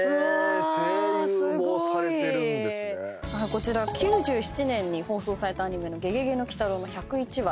こちら９７年に放送されたアニメの『ゲゲゲの鬼太郎』の１０１話。